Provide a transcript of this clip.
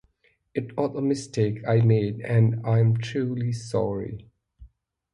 It was a mistake I made and I'm truly sorry.